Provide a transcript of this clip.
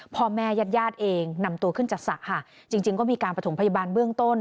พ่อแม่ญาติญาติเองนำตัวขึ้นจากสระค่ะจริงจริงก็มีการประถมพยาบาลเบื้องต้น